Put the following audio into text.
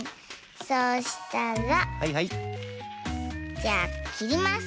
そうしたらじゃあきります。